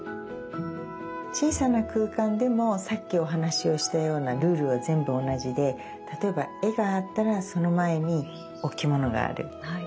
小さな空間でもさっきお話しをしたようなルールは全部同じで例えば絵があったらその前に置物がある。